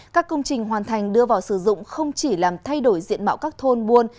các công trình hoàn thành đưa vào sử dụng không chỉ làm thay đổi diện mạo các thôn buôn